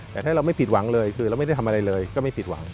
แต่ถ้าเราไม่ผิดหวังเลยคือเราไม่ได้ทำอะไรเลยก็ไม่ผิดหวัง